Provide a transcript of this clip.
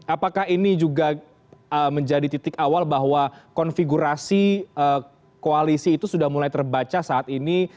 apakah ini juga menjadi titik awal bahwa konfigurasi koalisi itu sudah mulai terbaca saat ini